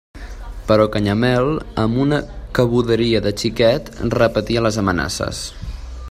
Però Canyamel, amb una cabuderia de xiquet, repetia les amenaces.